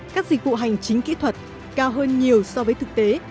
các dịch vụ hành chính kỹ thuật cao hơn nhiều so với thực tế